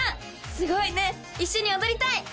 すごいね一緒に踊りたい！